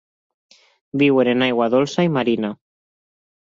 Viuen en aigua dolça i marina.